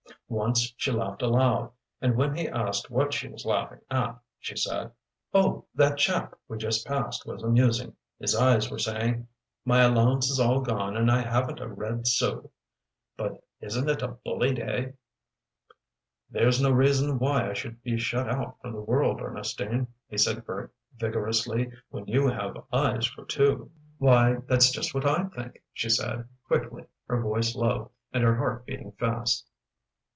Once she laughed aloud, and when he asked what she was laughing at, she said, "Oh, that chap we just passed was amusing. His eyes were saying 'My allowance is all gone and I haven't a red sou but isn't it a bully day?'" "There's no reason why I should be shut out from the world, Ernestine," he said vigorously, "when you have eyes for two." "Why, that's just what I think!" she said, quickly, her voice low, and her heart beating fast.